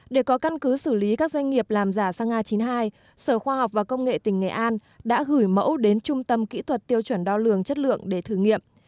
để có căn cứ xử lý các doanh nghiệp làm giả sang a chín mươi hai sở khoa học và công nghệ tỉnh nghệ an đã gửi mẫu đến trung tâm kỹ thuật tiêu chuẩn đo lường chất lượng để thử nghiệm